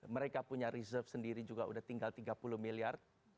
mereka punya reserve sendiri juga sudah tinggal tiga puluh miliar